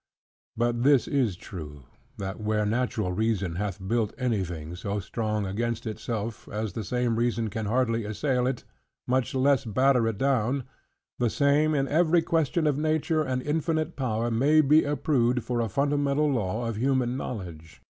But this is true, that where natural reason hath built anything so strong against itself, as the same reason can hardly assail it, much less batter it down: the same in every question of nature, and infinite power, may be approved for a fundamental law of human knowledge.